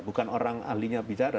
bukan orang ahlinya bicara